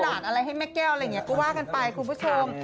หลานอะไรให้แม่แก้วอะไรอย่างนี้ก็ว่ากันไปคุณผู้ชม